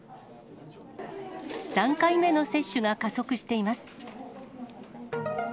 ３回目の接種が加速しています。